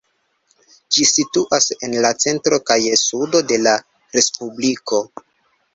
Ĝi situas en la centro kaj sudo de la respubliko.